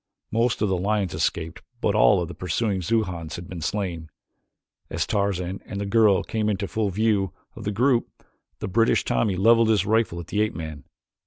Most of the lions escaped but all of the pursuing Xujans had been slain. As Tarzan and the girl came into full view of the group, a British Tommy leveled his rifle at the ape man.